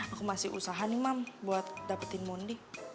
aku masih usaha nih mam buat dapetin mondi